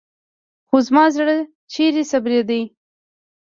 خو زما زړه چېرته صبرېده.